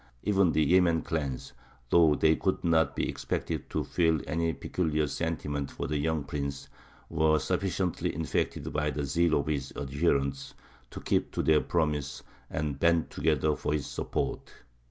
Even the Yemen clans, though they could not be expected to feel any peculiar sentiment for the young prince, were sufficiently infected by the zeal of his adherents to keep to their promise and band together for his support.